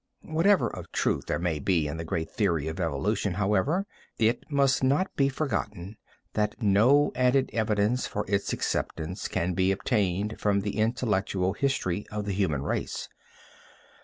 Whatever of truth there may be in the great theory of evolution, however, it must not be forgotten that no added evidence for its acceptance can be obtained from the intellectual history of the human race.